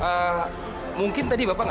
sama sekali nepanya